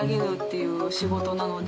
いう仕事なので。